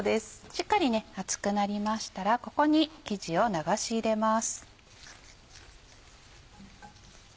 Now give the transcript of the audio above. しっかり熱くなりましたらここに生地を流し入れます。